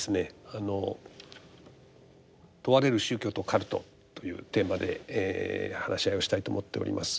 あの「問われる宗教と“カルト”」というテーマで話し合いをしたいと思っております。